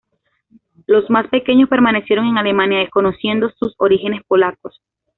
Los más pequeños permanecieron en Alemania desconociendo sus orígenes polacos.